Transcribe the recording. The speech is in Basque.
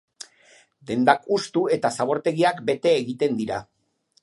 Dendak hustu eta zabortegiak bete egiten dira.